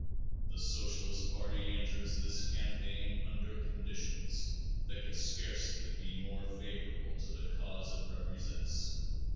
The Socialist party enters this campaign under conditions that could scarcely be more favorable to the cause it represents.